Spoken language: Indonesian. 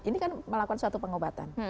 ini kan melakukan suatu pengobatan